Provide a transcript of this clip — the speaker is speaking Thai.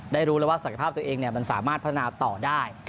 รู้แล้วว่าศักยภาพตัวเองมันสามารถพัฒนาต่อได้